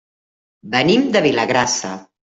Venim de Vilagrassa.